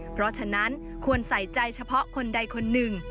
เพราะฉะนั้นควรใส่ใจเฉพาะคนใดคนหนึ่ง